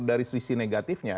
dari sisi negatifnya